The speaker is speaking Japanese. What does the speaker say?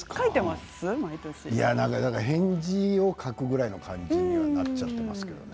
返事を書くぐらいの感じになってしまっていますけどね。